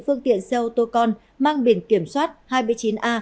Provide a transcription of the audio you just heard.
phương tiện xe ô tô con mang biển kiểm soát hai mươi chín a sáu trăm chín mươi